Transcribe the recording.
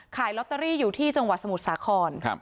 ขายลอตเตอรี่อยู่ที่จังหวัดสมุทรสาคร